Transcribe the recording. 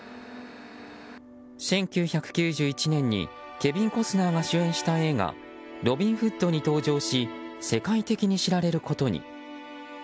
１９９１年にケビン・コスナーが主演した映画「ロビン・フッド」に登場し世界的に知られることに。